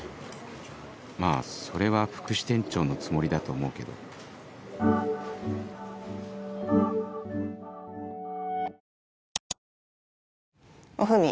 まぁそれは副支店長のつもりだと思うけどおフミ